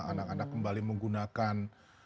anak anak kembali menggunakan